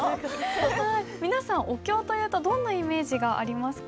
皆さんお経というとどんなイメージがありますか？